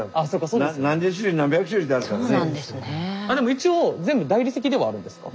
一応全部大理石ではあるんですか？